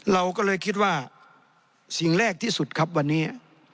เราก็เลยคิดว่าสิ่งแรกที่สุดครับวันนี้